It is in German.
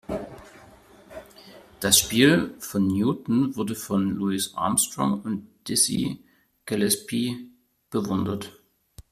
Das Spiel von Newton wurde von Louis Armstrong und Dizzy Gillespie bewundert.